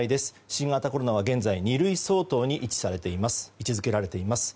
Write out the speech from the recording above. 新型コロナは現在、二類相当に位置付けられています。